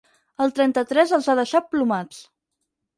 El trenta-tres els ha deixat plomats.